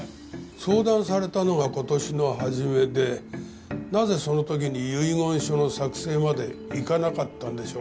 相談されたのが今年の初めでなぜその時に遺言書の作成までいかなかったんでしょうか？